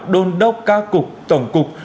đôn đốc ca cục tổng cục